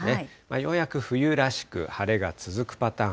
ようやく冬らしく晴れが続くパターン。